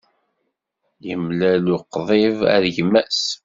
Imlal uqḍib ar gma-s.